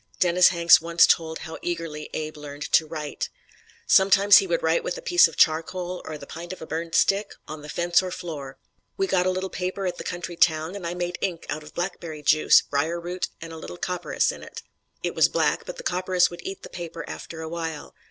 Dennis Hanks once told how eagerly Abe learned to write: "Sometimes he would write with a piece of charcoal, or the p'int of a burnt stick, on the fence or floor. We got a little paper at the country town, and I made ink out of blackberry juice, briar root and a little copperas in it. It was black, but the copperas would eat the paper after a while.